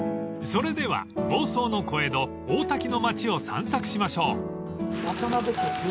［それでは房総の小江戸大多喜の町を散策しましょう］